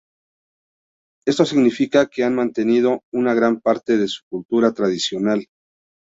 Esto significa que han mantenido una gran parte de su cultura tradicional.